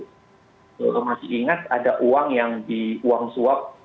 saya masih ingat ada uang yang di uang suap